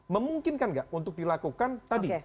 memungkinkan nggak untuk dilakukan tadi